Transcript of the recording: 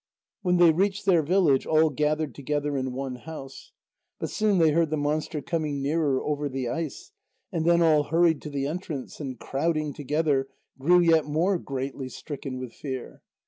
When they reached their village, all gathered together in one house. But soon they heard the monster coming nearer over the ice, and then all hurried to the entrance, and crowding together, grew yet more greatly stricken with fear.